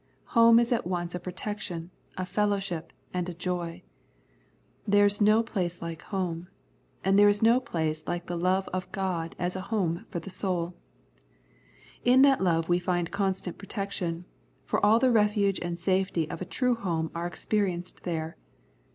Home is at once a protection, a fellowship, and a J07. " There's no place like home ;" and there is no place like the love of God as a home for the soul. In that love we find constant protection, for all the refuge and safety of a true home are experienced there.